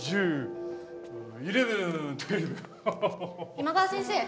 今川先生。